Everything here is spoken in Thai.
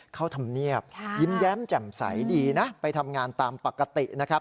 เข้าธรรมเนียบยิ้มแย้มแจ่มใสดีนะไปทำงานตามปกตินะครับ